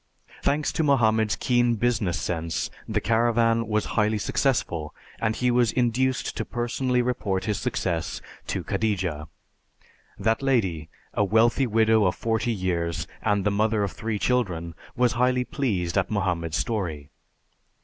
Thanks to Mohammed's keen business sense the caravan was highly successful, and he was induced to personally report his success to Khadija. That lady, a wealthy widow of forty years, and the mother of three children, was highly pleased at Mohammed's story.